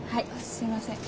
すいません。